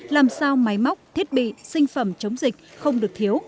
làm sao máy móc thiết bị sinh phẩm chống dịch không được thiếu